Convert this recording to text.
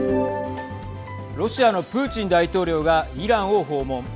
ロシアのプーチン大統領がイランを訪問。